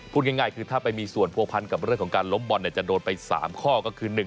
พูดง่ายคือถ้าไปมีส่วนผัวพันกับเรื่องของการล้มบอลจะโดนไป๓ข้อก็คือ